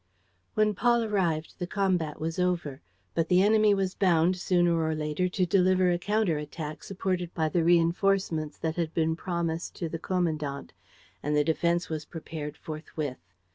When Paul arrived, the combat was over. But the enemy was bound, sooner or later, to deliver a counter attack, supported by the reinforcements that had been promised to the commandant; and the defense was prepared forthwith.